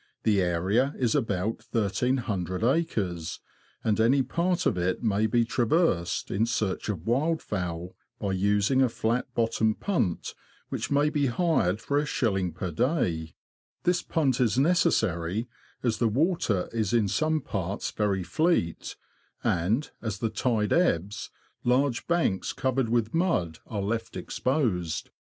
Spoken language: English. The area is about 1300 acres, and any part of it may be traversed, in search of wildfowl, by using a flat bottomed punt, which may be hired for a shilling per day ; this punt is necessary, as the water YARMOUTH TO LOWESTOFT. 27 is in some parts very fleet, and, as the tide ebbs, large banks covered with mud are left exposed.